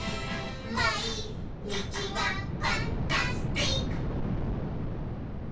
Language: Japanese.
「まいにちがパンタスティック！」